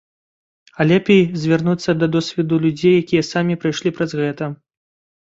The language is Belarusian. А лепей звярнуцца да досведу людзей, якія самі прайшлі праз гэта.